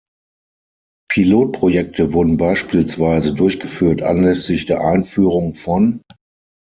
Pilotprojekte wurden beispielsweise durchgeführt anlässlich der Einführung von